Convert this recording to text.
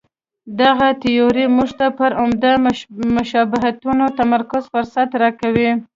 دغه تیوري موږ ته پر عمده مشابهتونو تمرکز فرصت راکوي.